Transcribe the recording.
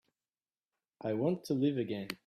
I want to live again.